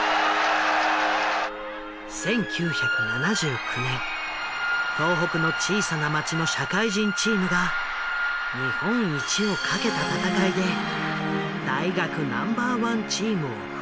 １９７９年東北の小さな町の社会人チームが日本一をかけた戦いで大学ナンバーワンチームを粉砕。